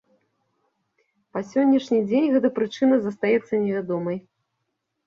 Па сённяшні дзень гэта прычына застаецца невядомай.